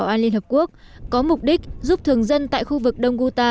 hội đồng bảo an liên hợp quốc có mục đích giúp thường dân tại khu vực đông guta